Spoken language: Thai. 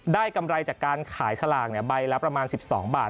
กำไรจากการขายสลากใบละประมาณ๑๒บาท